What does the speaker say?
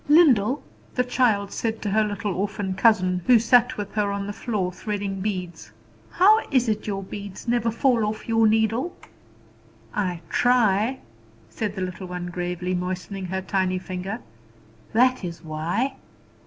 "Lyndall," the child said to her little orphan cousin, who sat with her on the floor threading beads, "how is it your beads never fall off your needle?" "I try," said the little one gravely, moistening her tiny finger. "That is why."